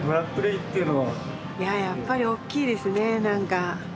やっぱり大きいですね何か。